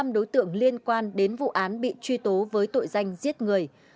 hai mươi năm đối tượng liên quan đến vụ án bị truy tố với tội danh giết người